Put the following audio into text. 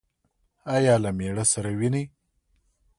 ایا له میړه سره وینئ؟